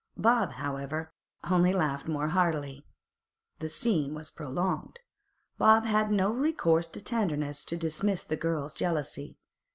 Bob, however, only laughed more heartily. The scene was prolonged. Bob had no recourse to tenderness to dismiss the girl's jealousy.